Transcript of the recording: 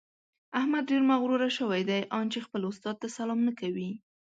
احمد ډېر مغروره شوی دی؛ ان چې خپل استاد ته سلام نه کوي.